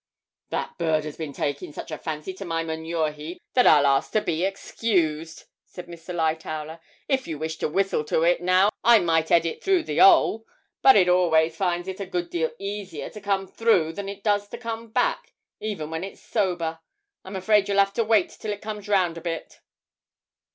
'That bird has been taking such a fancy to my manure heap that I'll ask to be excused,' said Mr. Lightowler. 'If you was to whistle to it now I might 'ead it through the 'ole; but it always finds it a good deal easier to come through than it does to come back, even when it's sober. I'm afraid you'll have to wait till it comes round a bit.'